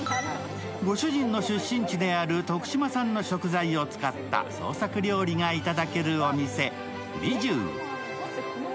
ご主人の出身地である徳島産の食材を使った創作料理がいただけるお店、美寿。